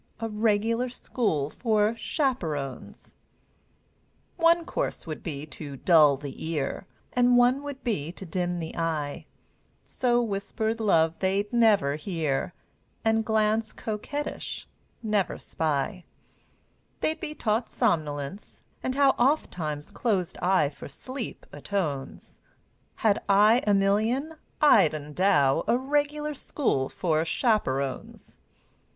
A regular school for chaperones! One course would be to dull the ear, And one would be to dim the eye, So whispered love they'd never hear, And glance coquettish never spy; They'd be taught somnolence, and how Ofttimes closed eye for sleep atones; Had I a million, I'd endow A regular school for chaperones!